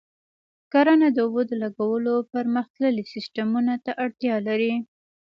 کرنه د اوبو د لګولو پرمختللي سیستمونه ته اړتیا لري.